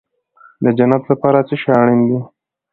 د جنت لپاره څه شی اړین دی؟